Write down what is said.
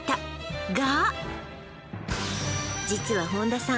実は本田さん